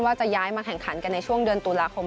ว่าจะย้ายมาแข่งขันกันในช่วงเดือนตุลาคม